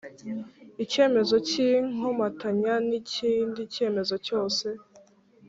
Icyemezo cy ikomatanya n ikindi cyemezo cyose